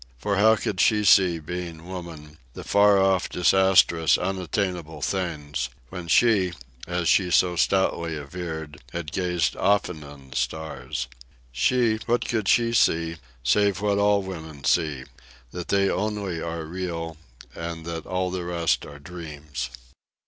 For how could she see, being woman, the "far off, disastrous, unattainable things," when she, as she so stoutly averred, had gazed often on the stars? She? What could she see, save what all women see—that they only are real, and that all the rest are dreams.